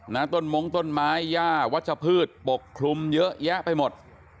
ต้นมงต้นไม้ย่าวัชพืชปกคลุมเยอะแยะไปหมด